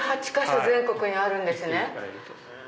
８８か所全国にあるんですね。